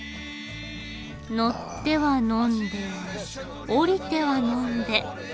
乗っては呑んで降りては呑んで。